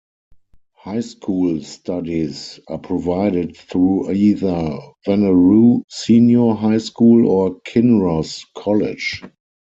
High School studies are provided through either Wanneroo Senior High School or Kinross College.